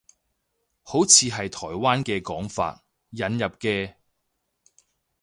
好似係台灣嘅講法，引入嘅